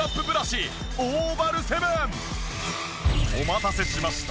お待たせしました。